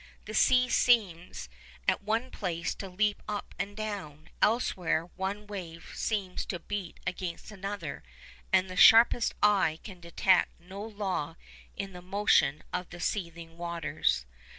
The sea seems at one place to leap up and down; elsewhere one wave seems to beat against another, and the sharpest eye can detect no law in the motion of the seething waters.